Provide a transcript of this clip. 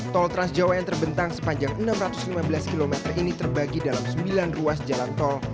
tol trans jawa yang terbentang sepanjang enam ratus lima belas km ini terbagi dalam sembilan ruas jalan tol